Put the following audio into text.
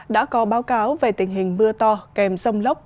đã có báo cáo về tình hình mưa to kèm rông lốc